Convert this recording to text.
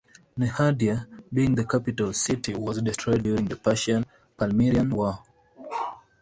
Nehardea, being the capital city, was destroyed during the Persian-Palmyrian war.